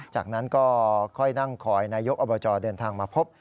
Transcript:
จากนั้นก็ค่อยนั่งคอยนายกอบจเดินทางมาพบ